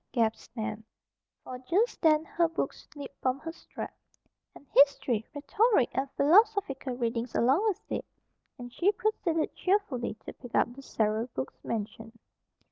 gasped Nan, for just then her books slipped from her strap; "and history, rhetoric, and philosophical readings along with it," and she proceeded cheerfully to pick up the several books mentioned.